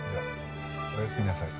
おやすみなさい。